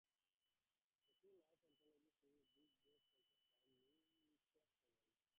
The true-life anthology series of Big Books also found a niche following.